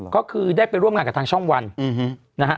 ก็คือได้ไปร่วมงานกับทางช่องวันนะฮะ